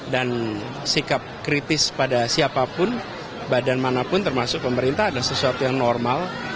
dan sikap kritis pada siapapun badan manapun termasuk pemerintah ada sesuatu yang normal